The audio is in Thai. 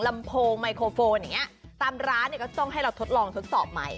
ลำโพงไมโครโฟนอย่างนี้ตามร้านเนี่ยก็ต้องให้เราทดลองทดสอบใหม่